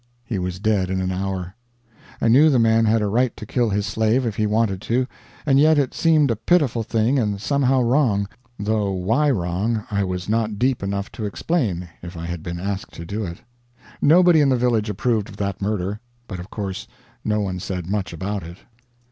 He was dead in an hour. I knew the man had a right to kill his slave if he wanted to, and yet it seemed a pitiful thing and somehow wrong, though why wrong I was not deep enough to explain if I had been asked to do it. Nobody in the village approved of that murder, but of course no one said much about it.